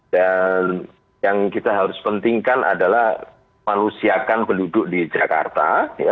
dan yang kita harus pentingkan adalah manusiakan penduduk di jakarta